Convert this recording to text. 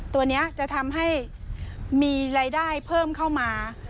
ตัวนี้จะทำให้มีรายได้เพิ่มเข้ามา